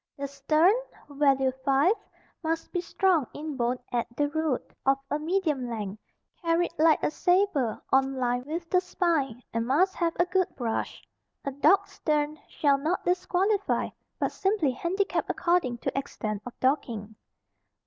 The stern (value 5) must be strong in bone at the root, of a medium length, carried like a sabre on line with the spine and must have a good brush. A docked stern shall not disqualify, but simply handicap according to extent of docking.